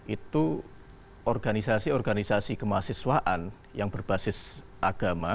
itu organisasi organisasi kemahasiswaan yang berbasis agama